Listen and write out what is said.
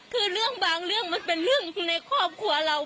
คือเรื่องบางเรื่องมันเป็นเรื่องในครอบครัวเรา